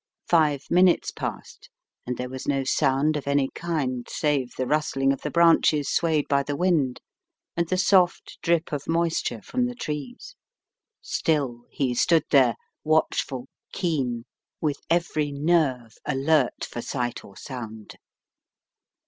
Five minutes passed, and there was no sound of any kind save the rustling of the branches swayed by the wind, and the soft drip of moisture from the trees. Still he stood there, watchful, keen, with every nerve alert for sight or sound.